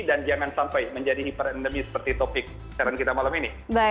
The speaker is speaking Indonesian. dan jangan sampai menjadi hiper endemi seperti topik sekarang kita malam ini